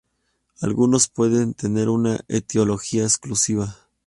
Algunas pueden tener una etiología exclusiva.